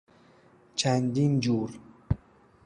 چندین جور....